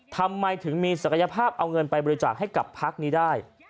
ทำไมถึงมีศักยภาพเอาเงินไปบริจาคให้กับพักนี้ได้